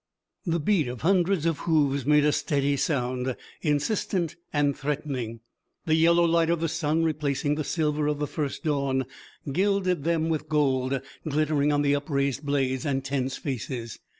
The beat of hundreds of hoofs made a steady sound, insistent and threatening. The yellow light of the sun, replacing the silver of the first dawn, gilded them with gold, glittering on the upraised blades and tense faces.